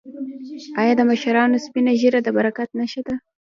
آیا د مشرانو سپینه ږیره د برکت نښه نه ده؟